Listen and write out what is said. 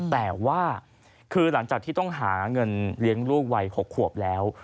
แต่ว่าคือหลังจากที่ต้องหาเงินเลี้ยงลูกวัย๖ขวบแล้ว